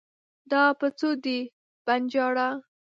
دا په څو دی ؟ بنجاره